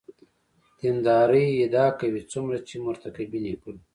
دیندارۍ ادعا کوي څومره چې مرتکبین یې کوي.